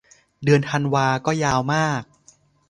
เดือนธันวาก็ยาวมาก